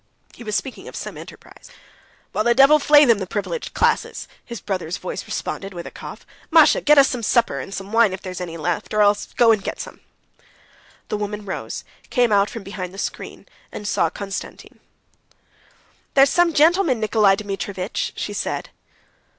He was speaking of some enterprise. "Well, the devil flay them, the privileged classes," his brother's voice responded, with a cough. "Masha! get us some supper and some wine if there's any left; or else go and get some." The woman rose, came out from behind the screen, and saw Konstantin. "There's some gentleman, Nikolay Dmitrievitch," she said.